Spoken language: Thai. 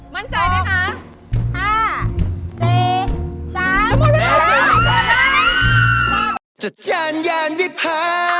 มั่นใจด้วยค่ะ